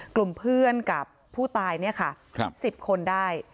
กลุ่มเพื่อนกับผู้ตายเนี่ยค่ะ๑๐คนได้